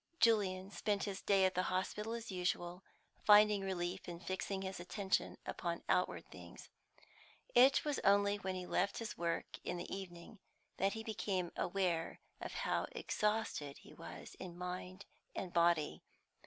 Julian spent his day at the hospital as usual, finding relief in fixing his attention upon outward things. It was only when he left his work in the evening that he became aware how exhausted he was in mind and body.